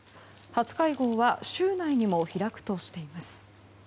初会合は週内にも開くとしています。